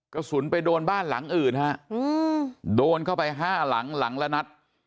กระสุนไปโดนบ้านหลังอื่นฮะโดนเข้าไปห้าหลังหลังละนัด